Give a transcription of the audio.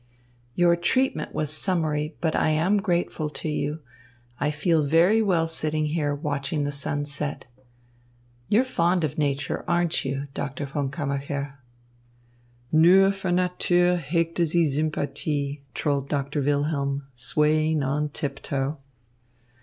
"Your treatment was summary, but I am grateful to you. I feel very well sitting here, watching the sun set. You're fond of nature, aren't you, Doctor von Kammacher?" "Nur für Natur hegte sie Sympathie," trolled Doctor Wilhelm, swaying on tip toe.